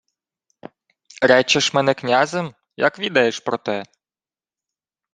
— Речеш мене князем? Як відаєш про те?